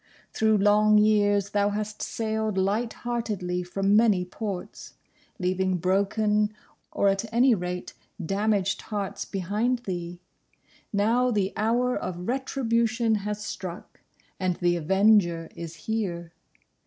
Through long years thou hast sailed light heartedly from many ports, leaving broken, or, at any rate, damaged hearts behind thee. Now the Hour of Retribution has struck, and the Avenger is here.